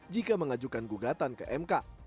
jika mengajukan gugatan ke mk